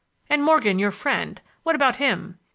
"And Morgan, your friend, what about him?"